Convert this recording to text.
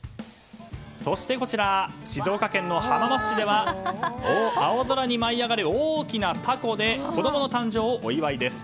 そして、静岡県の浜松市では青空に舞い上がる大きな凧で子供の誕生をお祝いです。